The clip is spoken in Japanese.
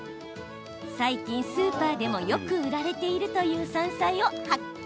最近スーパーでもよく売られているという山菜を発見。